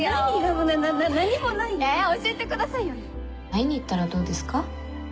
会いに行ったらどうですか？